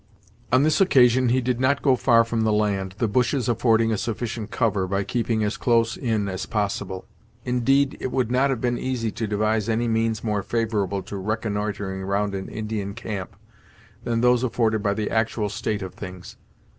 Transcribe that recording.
On this occasion he did not go far from the land, the bushes affording a sufficient cover, by keeping as close in as possible. Indeed, it would not have been easy to devise any means more favourable to reconnoitering round an Indian camp, than those afforded by the actual state of things.